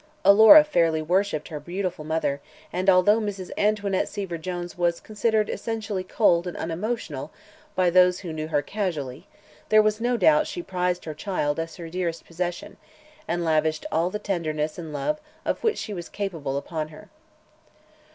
Alora fairly worshipped her beautiful mother and although Mrs. Antoinette Seaver Jones was considered essentially cold and unemotional by those who knew her casually, there was no doubt she prized her child as her dearest possession and lavished all the tenderness and love of which she was capable upon her.